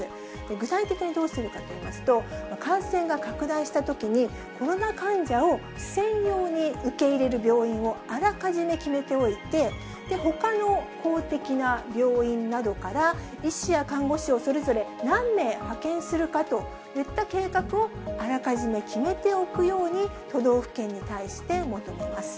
具体的にどうするかといいますと、感染が拡大したときに、コロナ患者を専用に受け入れる病院をあらかじめ決めておいて、ほかの公的な病院などから、医師や看護師をそれぞれ何名派遣するかといった計画をあらかじめ決めておくように、都道府県に対して求めます。